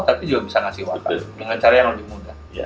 tapi juga bisa ngasih waktu dengan cara yang lebih mudah